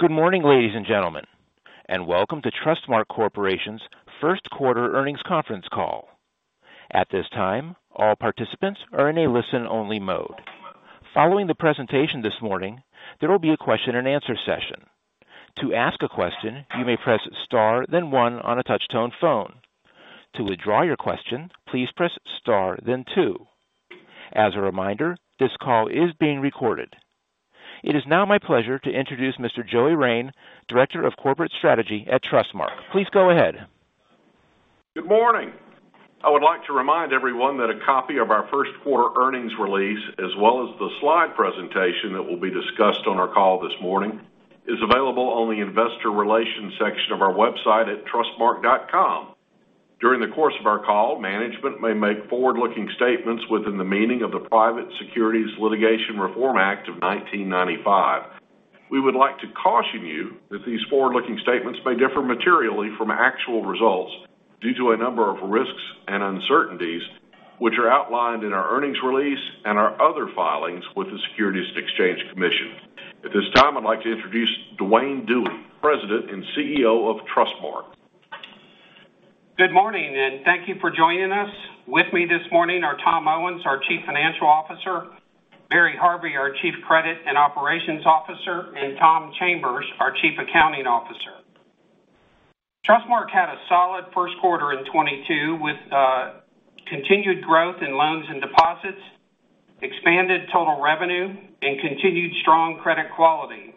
Good morning, ladies and gentlemen, and welcome to Trustmark Corporation's first quarter earnings conference call. At this time, all participants are in a listen-only mode. Following the presentation this morning, there will be a question and answer session. To ask a question, you may press star, then one on a touchtone phone. To withdraw your question, please press star then two. As a reminder, this call is being recorded. It is now my pleasure to introduce Mr. Joey Rein, Director of Corporate Strategy at Trustmark. Please go ahead. Good morning. I would like to remind everyone that a copy of our first quarter earnings release, as well as the slide presentation that will be discussed on our call this morning, is available on the Investor Relations section of our website at trustmark.com. During the course of our call, management may make forward-looking statements within the meaning of the Private Securities Litigation Reform Act of 1995. We would like to caution you that these forward-looking statements may differ materially from actual results due to a number of risks and uncertainties which are outlined in our earnings release and our other filings with the Securities and Exchange Commission. At this time, I'd like to introduce Duane Dewey, President and CEO of Trustmark. Good morning, and thank you for joining us. With me this morning are Tom Owens, our Chief Financial Officer, Barry Harvey, our Chief Credit and Operations Officer, and Tom Chambers, our Chief Accounting Officer. Trustmark had a solid first quarter of 2022, with continued growth in loans and deposits, expanded total revenue, and continued strong credit quality.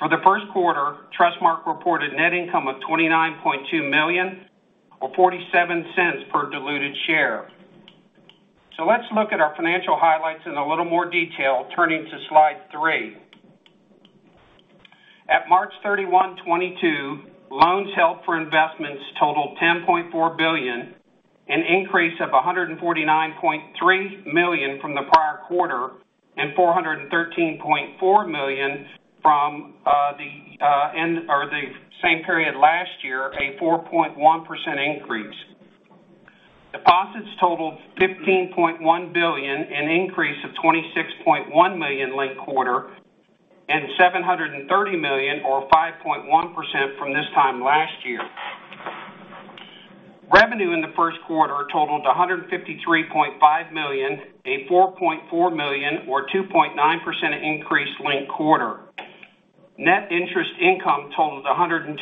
For the first quarter, Trustmark reported net income of $29.2 million, or 0.47per diluted share. Let's look at our financial highlights in a little more detail, turning to slide three. At March 31, 2022, loans held for investment totaled $10.4 billion, an increase of $149.3 million from the prior quarter and $413.4 million from the same period last year, a 4.1% increase. Deposits totaled $15.1 billion, an increase of $26.1 million linked quarter, and $730 million or 5.1% from this time last year. Revenue in the first quarter totaled $153.5 million, a $4.4 million or 2.9% increase linked quarter. Net Interest Income totaled $102.3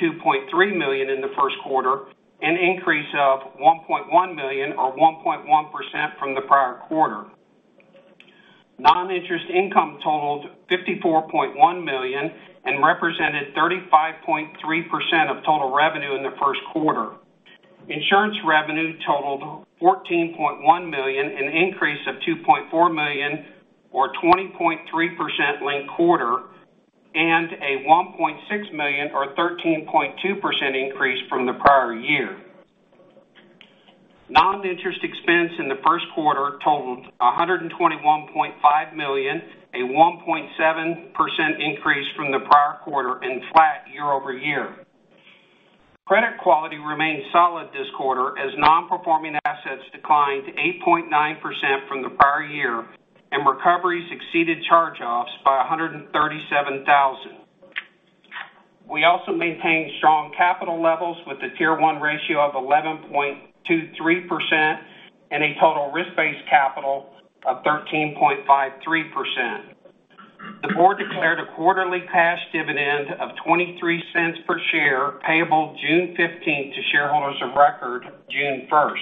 million in the first quarter, an increase of $1.1 million or 1.1% from the prior quarter. Non-interest income totaled $54.1 million and represented 35.3% of total revenue in the first quarter. Insurance revenue totaled $14.1 million, an increase of $2.4 million or 20.3% linked quarter, and a $1.6 million or a 13.2% increase from the prior year. Non-interest expense in the first quarter totaled $121.5 million, a 1.7% increase from the prior quarter and flat year-over-year. Credit quality remained solid this quarter as non-performing assets declined to 8.9% from the prior year, and recoveries exceeded charge-offs by $137,000. We also maintained strong capital levels with a Tier 1 ratio of 11.23% and a total risk-based capital of 13.53%. The board declared a quarterly cash dividend of $0.23 per share, payable June 15 to shareholders of record June 1.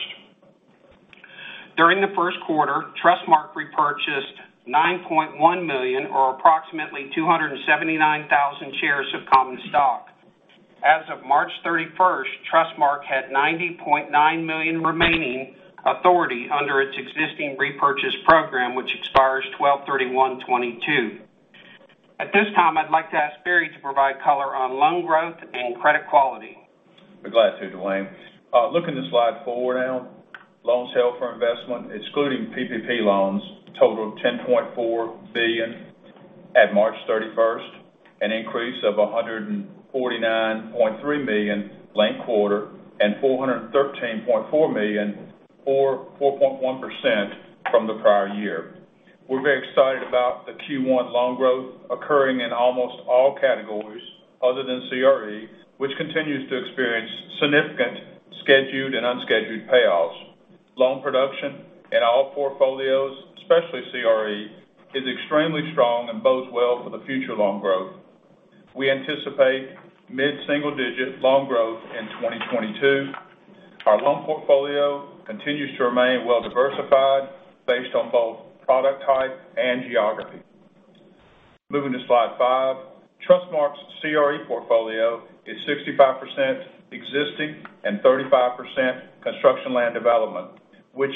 During the first quarter, Trustmark repurchased $9.1 million or approximately 279,000 shares of common stock. As of March 31, Trustmark had $90.9 million remaining authority under its existing repurchase program, which expires December 31, 2022. At this time, I'd like to ask Barry to provide color on loan growth and credit quality. I'm glad to, Duane. Looking to slide four now. Loans held for investment, excluding PPP loans, totaled $10.4 billion at March 31st, an increase of $149.3 million linked-quarter and $413.4 million or 4.1% from the prior year. We're very excited about the Q1 loan growth occurring in almost all categories other than CRE, which continues to experience significant scheduled and unscheduled payoffs. Loan production in all portfolios, especially CRE, is extremely strong and bodes well for the future loan growth. We anticipate mid-single digit loan growth in 2022. Our loan portfolio continues to remain well-diversified based on both product type and geography. Moving to slide five. Trustmark's CRE portfolio is 65% existing and 35% construction land development, which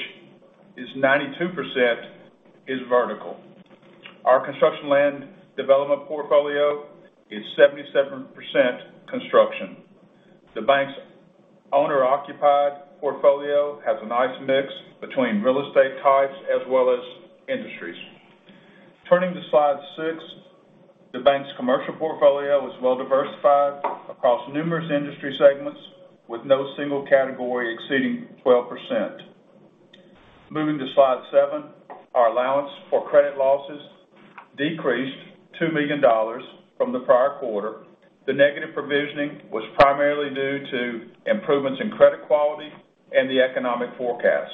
is 92% vertical. Our construction land development portfolio is 77% construction. The bank's owner-occupied portfolio has a nice mix between real estate types as well as industries. Turning to slide six. The bank's commercial portfolio is well-diversified across numerous industry segments, with no single category exceeding 12%. Moving to slide seven, our allowance for credit losses decreased $2 million from the prior quarter. The negative provisioning was primarily due to improvements in credit quality and the economic forecasts.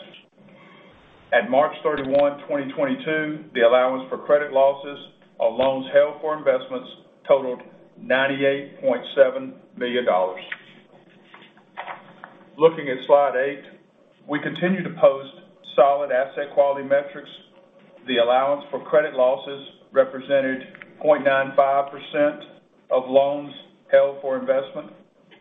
At March 31, 2022, the allowance for credit losses on loans held for investment totaled $98.7 million. Looking at slide eight, we continue to post solid asset quality metrics. The allowance for credit losses represented 0.95% of loans held for investment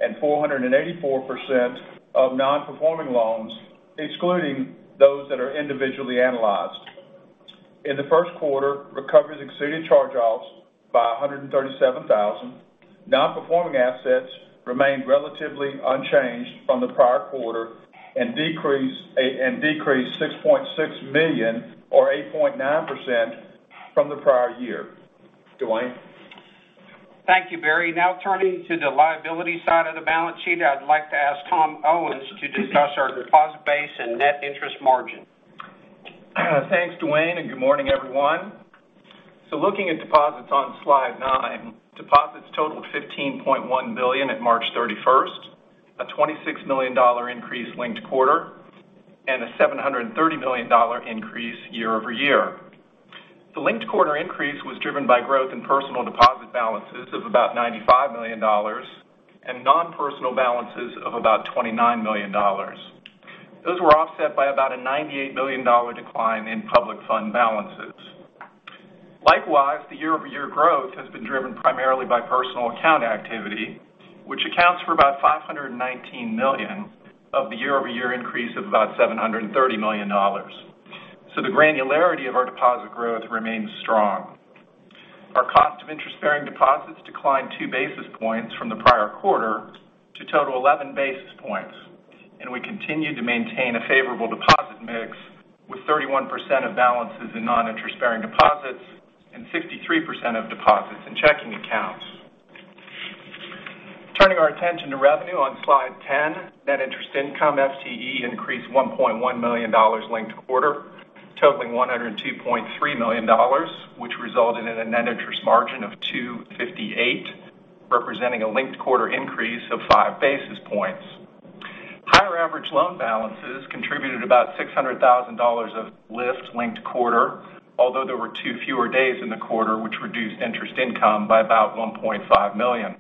and 484% of non-performing loans, excluding those that are individually analyzed. In the first quarter, recoveries exceeded charge-offs by $137,000. Non-performing assets remained relatively unchanged from the prior quarter and decreased $6.6 million or 8.9% from the prior year. Duane. Thank you, Barry. Now turning to the liability side of the balance sheet, I'd like to ask Tom Owens to discuss our deposit base and Net Interest Margin. Thanks, Duane, and good morning, everyone. Looking at deposits on slide nine, deposits totaled $15.1 billion at March 31, a $26 million increase linked-quarter, and a $730 million increase year-over-year. The linked-quarter increase was driven by growth in personal deposit balances of about $95 million and non-personal balances of about $29 million. Those were offset by about a $98 million decline in public fund balances. Likewise, the year-over-year growth has been driven primarily by personal account activity, which accounts for about $519 million of the year-over-year increase of about $730 million. The granularity of our deposit growth remains strong. Our cost of interest-bearing deposits declined 2 basis points from the prior quarter to total 11 basis points, and we continued to maintain a favorable deposit mix, with 31% of balances in non-interest-bearing deposits and 63% of deposits in checking accounts. Turning our attention to revenue on slide 10, Net Interest Income FTE increased $1.1 million linked-quarter, totaling $102.3 million, which resulted in a Net Interest Margin of 2.58%, representing a linked-quarter increase of 5 basis points. Higher average loan balances contributed about $600,000 of lift linked-quarter, although there were two fewer days in the quarter, which reduced interest income by about $1.5 million.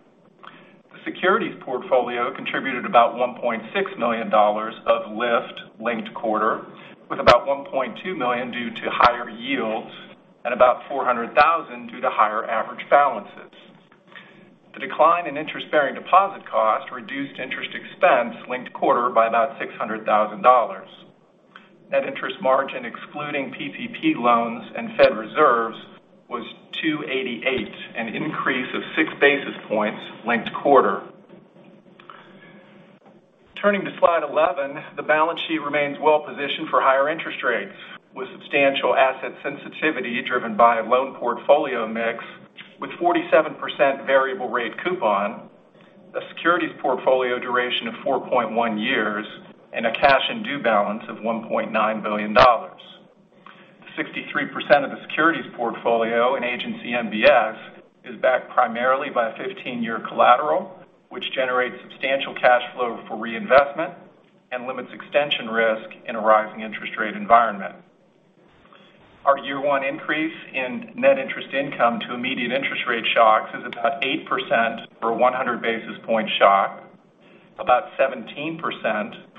The securities portfolio contributed about $1.6 million of lift linked quarter, with about $1.2 million due to higher yields and about $400,000 due to higher average balances. The decline in interest-bearing deposit cost reduced interest expense linked quarter by about $600,000. Net Interest Margin, excluding PPP loans and Fed reserves, was 2.88%, an increase of 6 basis points linked quarter. Turning to slide 11, the balance sheet remains well positioned for higher interest rates, with substantial asset sensitivity driven by a loan portfolio mix with 47% variable rate coupon, a securities portfolio duration of 4.1 years, and a cash and due from balance of $1.9 billion. 63% of the securities portfolio in agency MBS is backed primarily by a 15-year collateral, which generates substantial cash flow for reinvestment and limits extension risk in a rising interest rate environment. Our year one increase in Net Interest Income to immediate interest rate shocks is about 8% for a 100 basis point shock, about 17%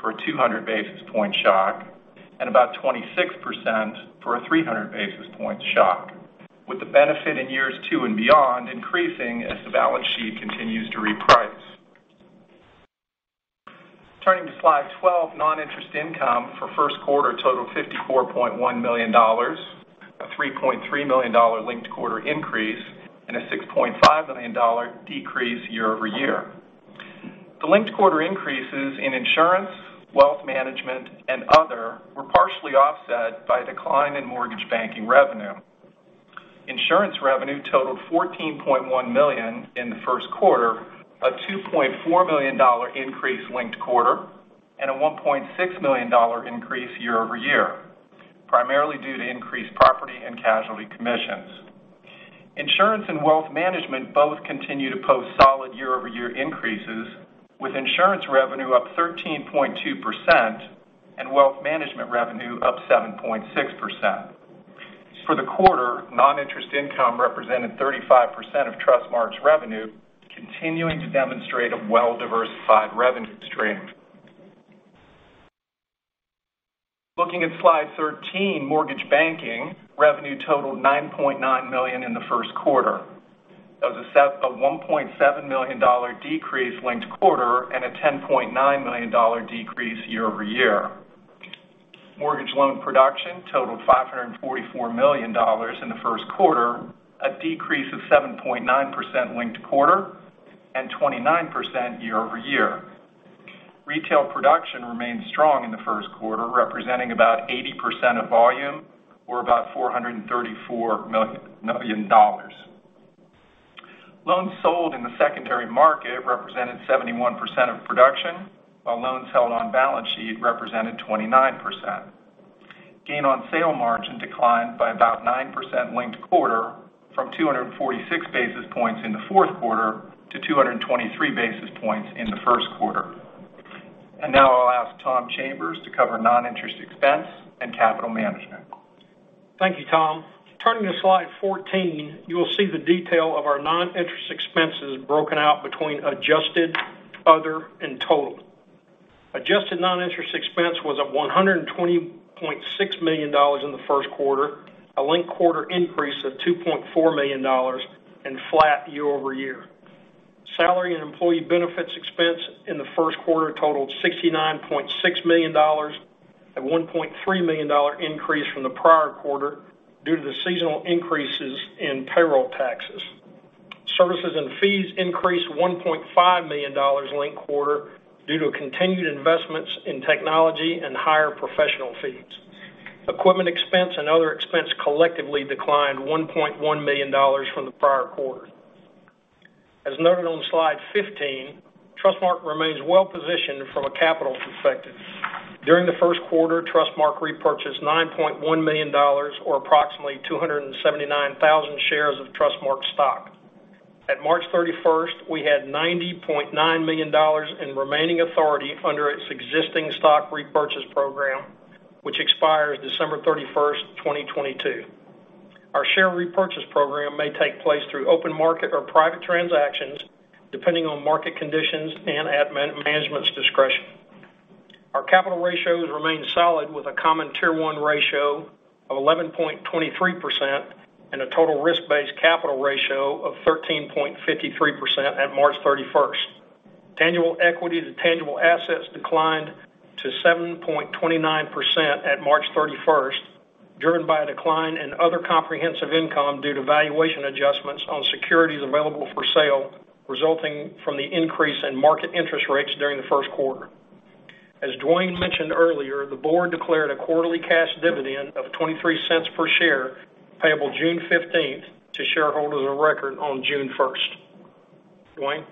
for a 200 basis point shock, and about 26% for a 300 basis point shock, with the benefit in years two and beyond increasing as the balance sheet continues to reprice. Turning to slide 12, non-interest income for first quarter totaled $54.1 million, a $3.3 million linked-quarter increase, and a $6.5 million decrease year-over-year. The linked-quarter increases in insurance, wealth management, and other were partially offset by a decline in mortgage banking revenue. Insurance revenue totaled $14.1 million in the first quarter, a $2.4 million increase linked quarter, and a $1.6 million increase year-over-year, primarily due to increased property and casualty commissions. Insurance and wealth management both continue to post solid year-over-year increases, with insurance revenue up 13.2% and wealth management revenue up 7.6%. For the quarter, non-interest income represented 35% of Trustmark's revenue, continuing to demonstrate a well-diversified revenue stream. Looking at slide 13, mortgage banking revenue totaled $9.9 million in the first quarter. That was a $1.7 million decrease linked quarter and a $10.9 million decrease year-over-year. Mortgage loan production totaled $544 million in the first quarter, a decrease of 7.9% linked quarter and 29% year-over-year. Retail production remained strong in the first quarter, representing about 80% of volume or about $434 million. Loans sold in the secondary market represented 71% of production, while loans held on balance sheet represented 29%. Gain on sale margin declined by about 9% linked quarter from 246 basis points in the fourth quarter to 223 basis points in the first quarter. Now I'll ask Tom Chambers to cover non-interest expense and capital management. Thank you, Tom. Turning to slide 14, you will see the detail of our non-interest expenses broken out between adjusted, other, and total. Adjusted non-interest expense was at $120.6 million in the first quarter, a linked-quarter increase of $2.4 million and flat year-over-year. Salary and employee benefits expense in the first quarter totaled $69.6 million at $1.3 million dollar increase from the prior quarter due to the seasonal increases in payroll taxes. Services and fees increased $1.5 million linked-quarter due to continued investments in technology and higher professional fees. Equipment expense and other expense collectively declined $1.1 million from the prior quarter. As noted on slide 15, Trustmark remains well-positioned from a capital perspective. During the first quarter, Trustmark repurchased $9.1 million or approximately 279,000 shares of Trustmark stock. At March 31, we had $90.9 million in remaining authority under its existing stock repurchase program, which expires December 31, 2022. Our share repurchase program may take place through open market or private transactions, depending on market conditions and management's discretion. Our capital ratios remain solid with a common Tier 1 ratio of 11.23% and a total risk-based capital ratio of 13.53% at March 31. Tangible equity to tangible assets declined to 7.29% at March 31, driven by a decline in other comprehensive income due to valuation adjustments on securities available for sale, resulting from the increase in market interest rates during the first quarter. As Duane mentioned earlier, the board declared a quarterly cash dividend of $0.23 per share, payable June fifteenth to shareholders of record on June 1st. Duane.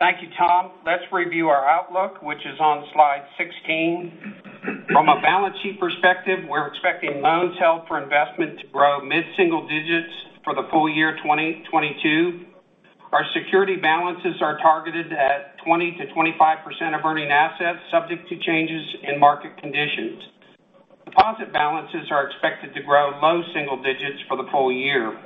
Thank you, Tom. Let's review our outlook, which is on slide 16. From a balance sheet perspective, we're expecting loans held for investment to grow mid-single digits for the full year 2022. Our security balances are targeted at 20%-25% of earning assets, subject to changes in market conditions. Deposit balances are expected to grow low single digits for the full year.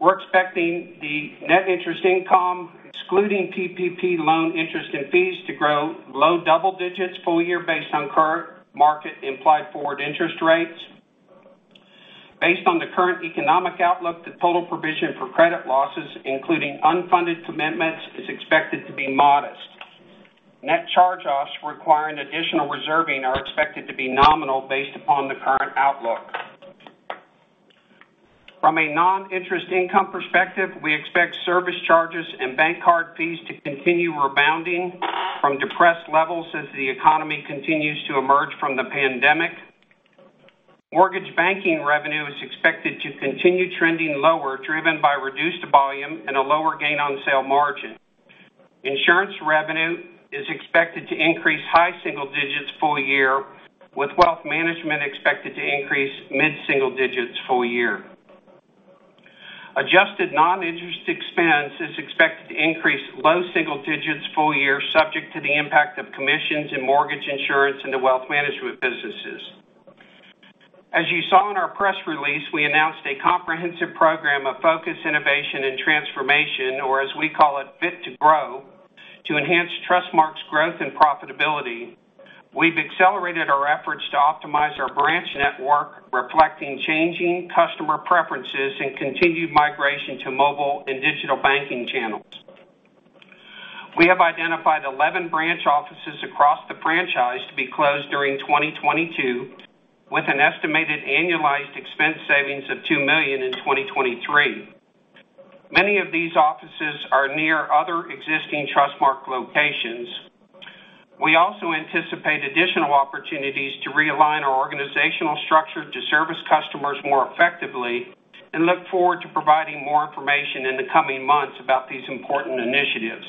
We're expecting the Net Interest Income, excluding PPP loan interest and fees, to grow low double digits full year based on current market implied forward interest rates. Based on the current economic outlook, the total provision for credit losses, including unfunded commitments, is expected to be modest. Net charge-offs requiring additional reserving are expected to be nominal based upon the current outlook. From a non-interest income perspective, we expect service charges and bank card fees to continue rebounding from depressed levels as the economy continues to emerge from the pandemic. Mortgage banking revenue is expected to continue trending lower, driven by reduced volume and a lower gain on sale margin. Insurance revenue is expected to increase high single digits full year, with wealth management expected to increase mid-single digits full year. Adjusted non-interest expense is expected to increase low single digits full year, subject to the impact of commissions and mortgage insurance in the wealth management businesses. As you saw in our press release, we announced a comprehensive program of focus, innovation, and transformation, or as we call it, FIT2GROW, to enhance Trustmark's growth and profitability. We've accelerated our efforts to optimize our branch network, reflecting changing customer preferences and continued migration to mobile and digital banking channels. We have identified 11 branch offices across the franchise to be closed during 2022, with an estimated annualized expense savings of $2 million in 2023. Many of these offices are near other existing Trustmark locations. We also anticipate additional opportunities to realign our organizational structure to service customers more effectively and look forward to providing more information in the coming months about these important initiatives.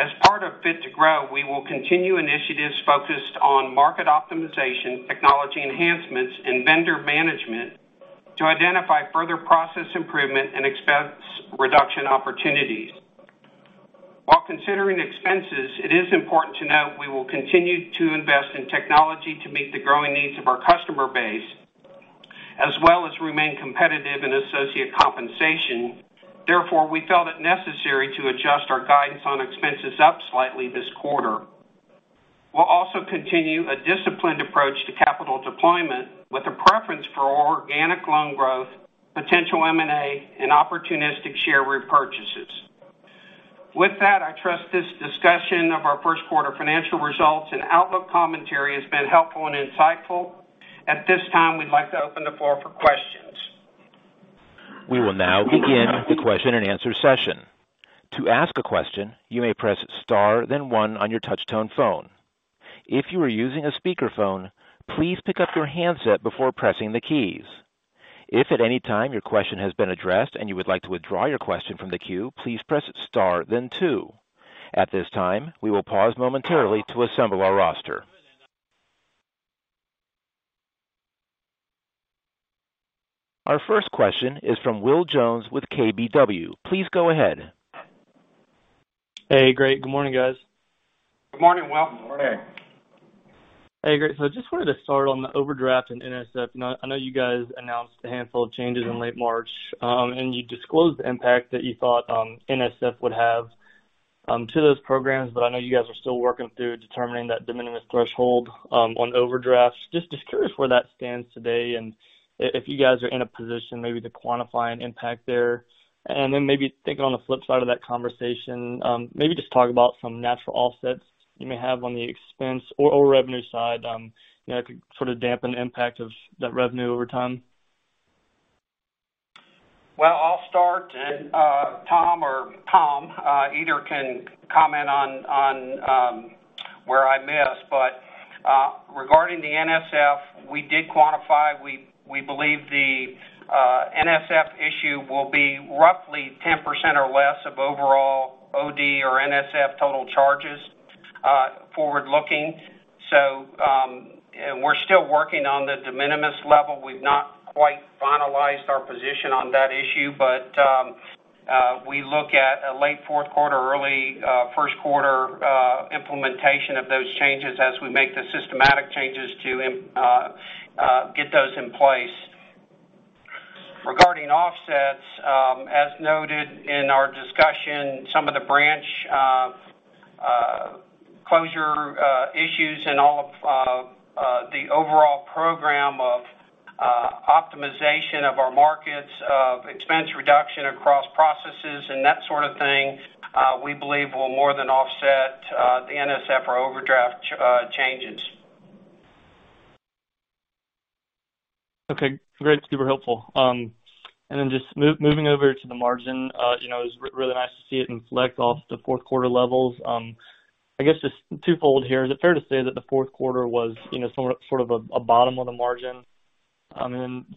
As part of FIT2GROW, we will continue initiatives focused on market optimization, technology enhancements, and vendor management to identify further process improvement and expense reduction opportunities. While considering expenses, it is important to note we will continue to invest in technology to meet the growing needs of our customer base, as well as remain competitive in associate compensation. Therefore, we felt it necessary to adjust our guidance on expenses up slightly this quarter. We'll also continue a disciplined approach to capital deployment with a preference for organic loan growth, potential M&A, and opportunistic share repurchases. With that, I trust this discussion of our first quarter financial results and outlook commentary has been helpful and insightful. At this time, we'd like to open the floor for questions. We will now begin the question and answer session. To ask a question, you may press star then one on your touchtone phone. If you are using a speakerphone, please pick up your handset before pressing the keys. If at any time your question has been addressed and you would like to withdraw your question from the queue, please press star then two. At this time, we will pause momentarily to assemble our roster. Our first question is from Will Jones with KBW. Please go ahead. Hey, great. Good morning, guys. Good morning, Will. Morning. Hey, great. I just wanted to start on the overdraft and NSF. You know, I know you guys announced a handful of changes in late March, and you disclosed the impact that you thought NSF would have to those programs. I know you guys are still working through determining that de minimis threshold on overdrafts. Just curious where that stands today and if you guys are in a position maybe to quantify an impact there. Then maybe thinking on the flip side of that conversation, maybe just talk about some natural offsets you may have on the expense or revenue side, you know, that could sort of dampen the impact of that revenue over time. Well, I'll start and Tom or Tom either can comment on where I missed. Regarding the NSF, we did quantify. We believe the NSF issue will be roughly 10% or less of overall OD or NSF total charges, forward-looking. We're still working on the de minimis level. We've not quite finalized our position on that issue, but we look at a late fourth quarter, early first quarter implementation of those changes as we make the systematic changes to get those in place. Regarding offsets, as noted in our discussion, some of the branch closure issues and all of the overall program of optimization of our markets, of expense reduction across processes and that sort of thing, we believe will more than offset the NSF or overdraft changes. Okay, great. Super helpful. Just moving over to the margin. You know it was really nice to see it inflect off the fourth quarter levels. I guess just twofold here. Is it fair to say that the fourth quarter was, you know, sort of a bottom of the margin?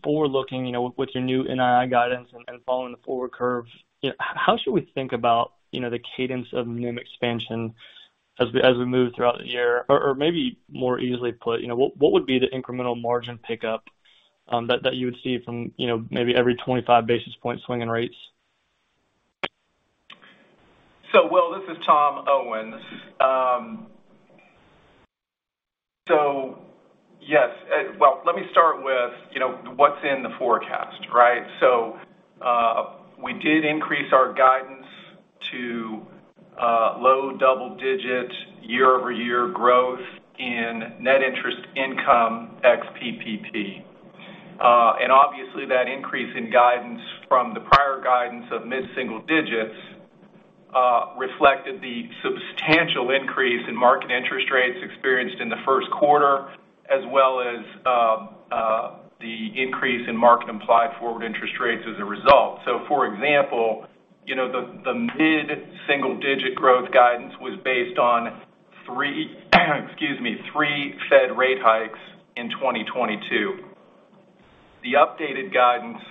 Forward looking, you know, with your new NII guidance and following the forward curve, you know, how should we think about, you know, the cadence of NIM expansion as we move throughout the year? Or maybe more easily put, you know, what would be the incremental margin pickup, that you would see from, you know, maybe every 25 basis point swing in rates? Will, this is Tom Owens. Yes. Well, let me start with, you know, what's in the forecast, right? We did increase our guidance to low double-digit year-over-year growth in Net Interest Income ex PPP. And obviously that increase in guidance from the prior guidance of mid-single digits reflected the substantial increase in market interest rates experienced in the first quarter, as well as the increase in market implied forward interest rates as a result. For example, you know, the mid-single digit growth guidance was based on three Fed rate hikes in 2022. The updated guidance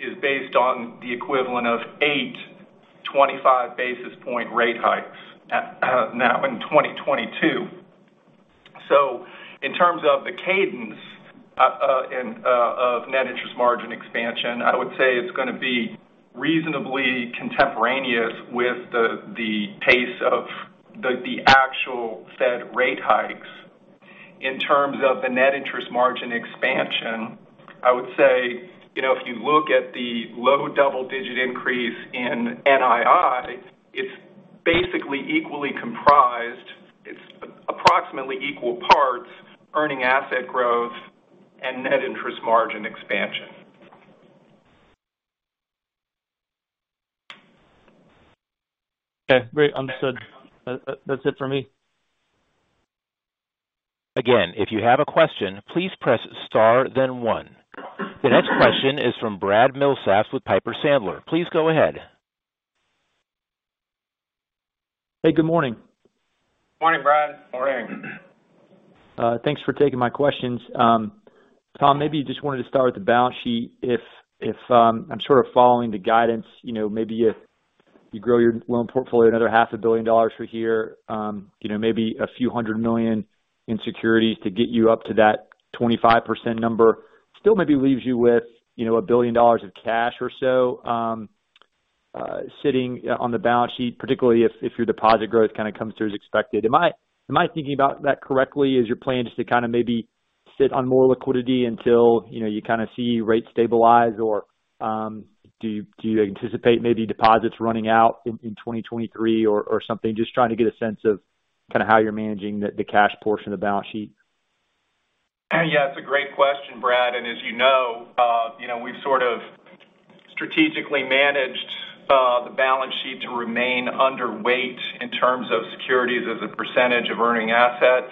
is based on the equivalent of eight 25-basis-point rate hikes now in 2022. In terms of the cadence of Net Interest Margin expansion, I would say it's gonna be reasonably contemporaneous with the pace of the actual Fed rate hikes. In terms of the Net Interest Margin expansion, I would say, you know, if you look at the low double-digit increase in NII, it's approximately equal parts earning asset growth and Net Interest Margin expansion. Okay, great. Understood. That, that's it for me. Again, if you have a question, please press star then one. The next question is from Brad Milsaps with Piper Sandler. Please go ahead. Hey, good morning. Morning, Brad. Morning. Thanks for taking my questions. Tom, maybe you just wanted to start with the balance sheet. If I'm sort of following the guidance, you know, maybe if you grow your loan portfolio another $500 billion from here, you know, maybe a few $100 million in securities to get you up to that 25% number still maybe leaves you with, you know, $1 billion of cash or so, sitting on the balance sheet, particularly if your deposit growth kind of comes through as expected. Am I thinking about that correctly? Is your plan just to kind of maybe sit on more liquidity until, you know, you kind of see rates stabilize or, do you anticipate maybe deposits running out in 2023 or something? Just trying to get a sense of kind of how you're managing the cash portion of the balance sheet. Yeah, it's a great question, Brad. As you know, you know, we've sort of strategically managed the balance sheet to remain underweight in terms of securities as a percentage of earning assets.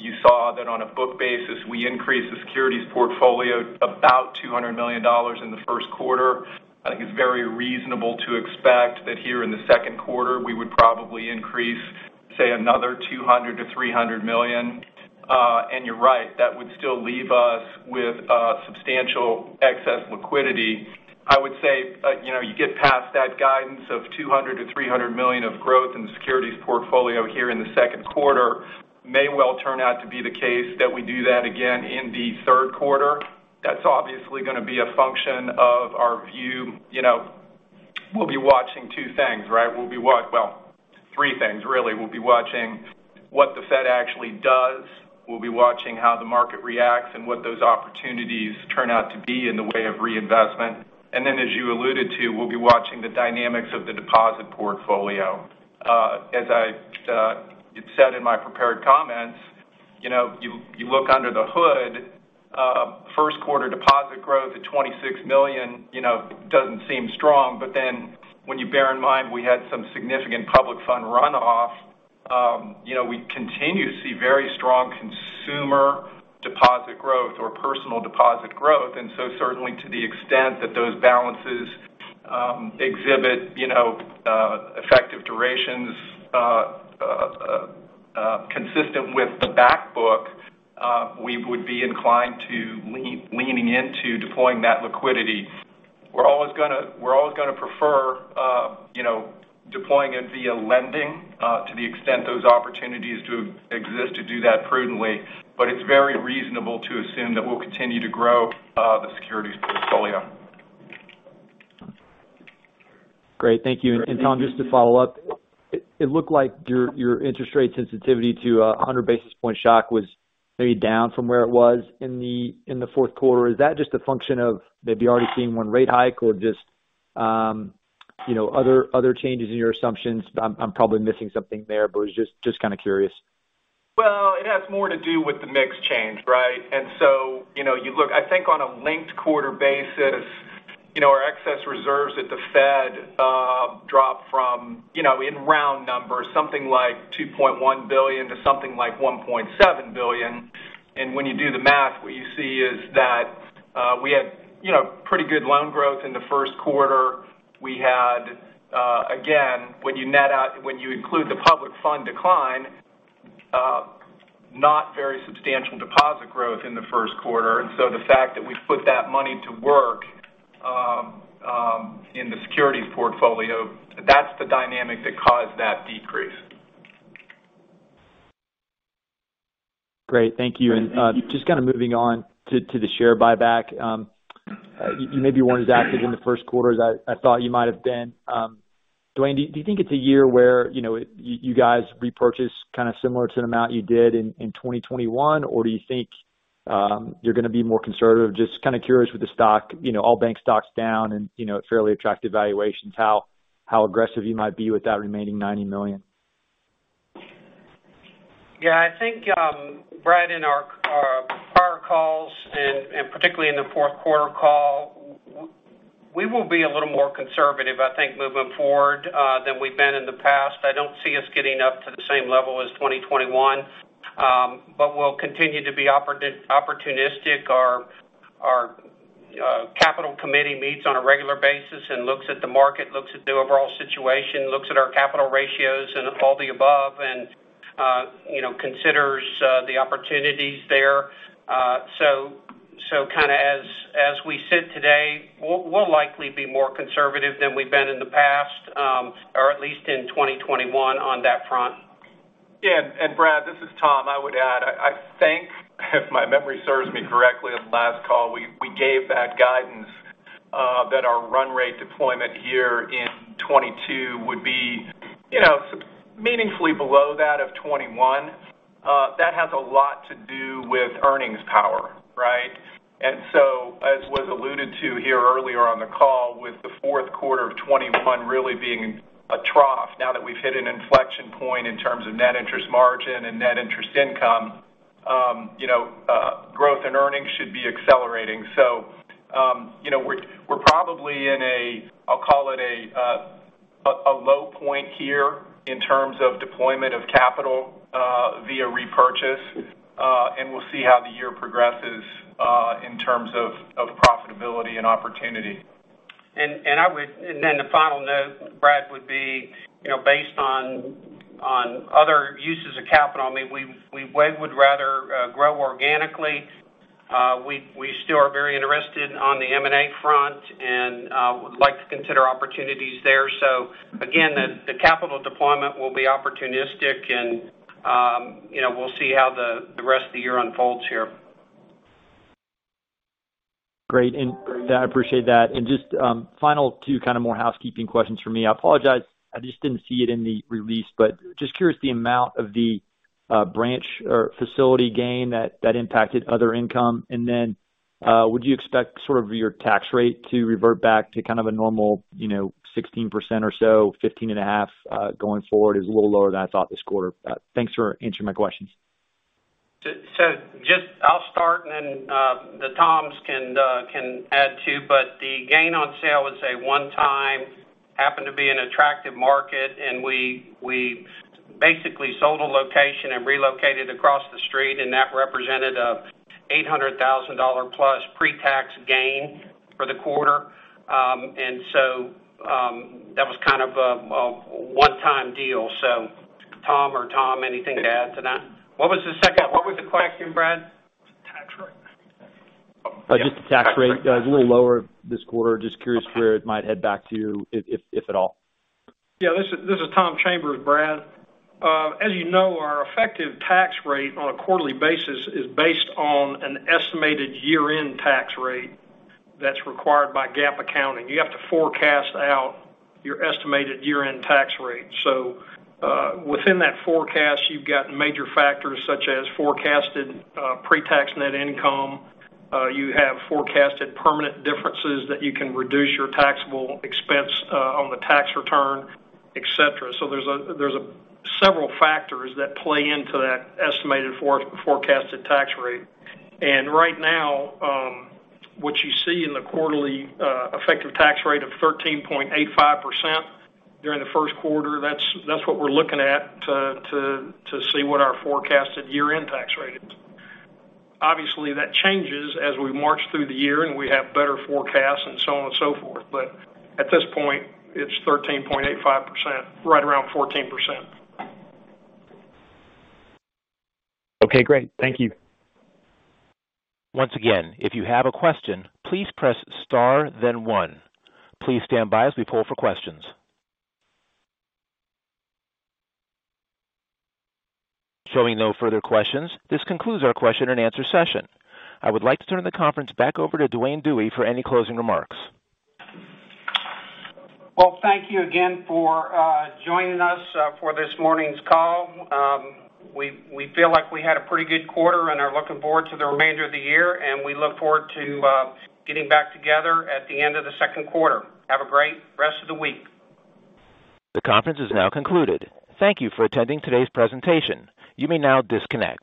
You saw that on a book basis, we increased the securities portfolio about $200 million in the first quarter. I think it's very reasonable to expect that here in the second quarter, we would probably increase, say, another $200 million-$300 million. You're right, that would still leave us with substantial excess liquidity. I would say, you know, you get past that guidance of $200 million-$300 million of growth in the securities portfolio here in the second quarter may well turn out to be the case that we do that again in the third quarter. That's obviously gonna be a function of our view. You know, we'll be watching two things, right? Well, three things, really. We'll be watching what the Fed actually does. We'll be watching how the market reacts and what those opportunities turn out to be in the way of reinvestment. As you alluded to, we'll be watching the dynamics of the deposit portfolio. As I had said in my prepared comments, you know, you look under the hood, first quarter deposit growth at $26 million, you know, doesn't seem strong, but then when you bear in mind we had some significant public fund runoff, you know, we continue to see very strong consumer deposit growth or personal deposit growth. Certainly to the extent that those balances exhibit, you know, effective durations consistent with the back book, we would be inclined to leaning into deploying that liquidity. We're always gonna prefer, you know, deploying it via lending to the extent those opportunities to exist to do that prudently. It's very reasonable to assume that we'll continue to grow the securities portfolio. Great. Thank you. Tom, just to follow up, it looked like your interest rate sensitivity to 100 basis point shock was maybe down from where it was in the fourth quarter. Is that just a function of maybe already seeing one rate hike or just you know, other changes in your assumptions? I'm probably missing something there, but was just kind of curious. Well, it has more to do with the mix change, right? You know, you look, I think on a linked quarter basis, you know, our excess reserves at the Fed dropped from, you know, in round numbers, something like $2.1 billion to something like $1.7 billion. When you do the math, what you see is that we had, you know, pretty good loan growth in the first quarter. We had, again, when you include the public fund decline, not very substantial deposit growth in the first quarter. The fact that we've put that money to work in the securities portfolio, that's the dynamic that caused that decrease. Great. Thank you. Just kind of moving on to the share buyback. You maybe weren't as active in the first quarter as I thought you might have been. Duane, do you think it's a year where, you know, you guys repurchase kind of similar to the amount you did in 2021, or do you think you're gonna be more conservative? Just kind of curious with the stock, you know, all bank stocks down and, you know, fairly attractive valuations, how aggressive you might be with that remaining $90 million. Yeah, I think, Brad, in our prior calls and particularly in the fourth quarter call, we will be a little more conservative, I think, moving forward, than we've been in the past. I don't see us getting up to the same level as 2021, but we'll continue to be opportunistic. Our capital committee meets on a regular basis and looks at the market, looks at the overall situation, looks at our capital ratios and all the above and, you know, considers the opportunities there. Kind of as we sit today, we'll likely be more conservative than we've been in the past, or at least in 2021 on that front. Yeah. Brad, this is Tom. I would add, I think if my memory serves me correctly on the last call, we gave that guidance, that our run rate deployment here in 2022 would be, you know, meaningfully below that of 2021. That has a lot to do with earnings power, right? As was alluded to here earlier on the call, with the fourth quarter of 2021 really being a trough, now that we've hit an inflection point in terms of Net Interest Margin and Net Interest Income, you know, growth and earnings should be accelerating. You know, we're probably in a, I'll call it a low point here in terms of deployment of capital via repurchase. We'll see how the year progresses in terms of profitability and opportunity. The final note, Brad, would be, you know, based on other uses of capital, I mean, we would rather grow organically. We still are very interested on the M&A front and would like to consider opportunities there. Again, the capital deployment will be opportunistic and, you know, we'll see how the rest of the year unfolds here. Great. I appreciate that. Just final two kind of more housekeeping questions for me. I apologize, I just didn't see it in the release, but just curious the amount of the branch or facility gain that impacted other income. Then, would you expect sort of your tax rate to revert back to kind of a normal, you know, 16% or so, 15.5% going forward? It's a little lower than I thought this quarter. Thanks for answering my questions. Just I'll start and then the Toms can add too. The gain on sale was a one-time. Happened to be an attractive market, and we basically sold a location and relocated across the street, and that represented an $800,000-plus pre-tax gain for the quarter. That was kind of a one-time deal. Tom or Tom, anything to add to that? What was the second? What was the question, Brad? Tax rate. Just the tax rate. It was a little lower this quarter. Just curious where it might head back to if at all. Yeah. This is Tom Chambers, Brad. As you know, our effective tax rate on a quarterly basis is based on an estimated year-end tax rate that's required by GAAP accounting. You have to forecast out your estimated year-end tax rate. Within that forecast, you've got major factors such as forecasted pre-tax net income. You have forecasted permanent differences that you can reduce your taxable expense on the tax return, et cetera. There's several factors that play into that estimated forecasted tax rate. Right now, what you see in the quarterly effective tax rate of 13.85% during the first quarter, that's what we're looking at to see what our forecasted year-end tax rate is. Obviously, that changes as we march through the year and we have better forecasts and so on and so forth. At this point, it's 13.85%, right around 14%. Okay, great. Thank you. Once again, if you have a question, please press star then one. Please stand by as we poll for questions. Showing no further questions, this concludes our question and answer session. I would like to turn the conference back over to Duane Dewey for any closing remarks. Well, thank you again for joining us for this morning's call. We feel like we had a pretty good quarter and are looking forward to the remainder of the year, and we look forward to getting back together at the end of the second quarter. Have a great rest of the week. The conference is now concluded. Thank you for attending today's presentation. You may now disconnect.